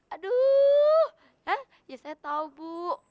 aduh ya ya saya tahu bu